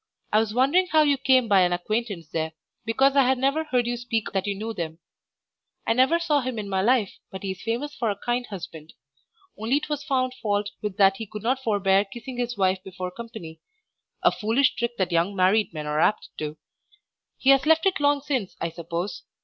I was wondering how you came by an acquaintance there, because I had never heard you speak that you knew them. I never saw him in my life, but he is famous for a kind husband. Only 'twas found fault with that he could not forbear kissing his wife before company, a foolish trick that young married men are apt to; he has left it long since, I suppose.